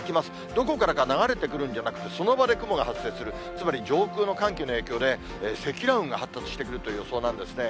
どこからか流れてくるんじゃなくて、その場で雲が発生する、つまり上空の寒気の影響で、積乱雲が発生してくるという予想なんですね。